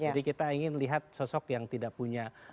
jadi kita ingin lihat sosok yang tidak punya